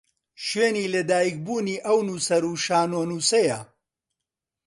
شوێنی لە دایکبوونی ئەو نووسەر و شانۆنووسەیە